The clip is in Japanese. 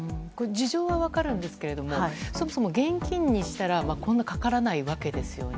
事情は分かるんですがそもそも現金にしたらこんなにかからないわけですね。